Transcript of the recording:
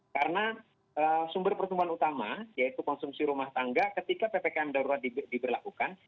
karena sumber pertumbuhan utama yaitu konsumsi rumah tangga ketika ppkm darurat diberlakukan